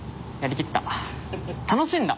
楽しんだ。